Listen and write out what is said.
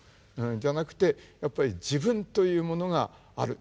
じゃなくてやっぱり自分というものがある。